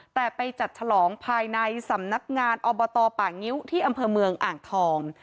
แต่ไปจัดฉลองภายในสำนักงานอบตป่างิ้วที่อำเภอเมืองอ่างทอง